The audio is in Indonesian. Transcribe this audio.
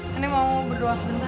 nenek mau berdoa sebentar